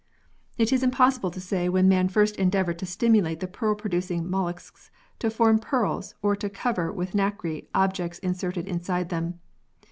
It is impossible to say when man first endeavoured to stimulate the pearl producing molluscs to form pearls or to cover with nacre objects inserted inside them.